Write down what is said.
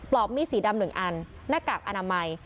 ปลอบมีสีดำ๑อันนากับอนามัย